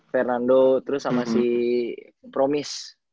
fernando terus sama si promis